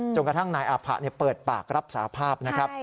กระทั่งนายอาผะเปิดปากรับสาภาพนะครับ